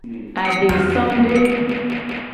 Adesade.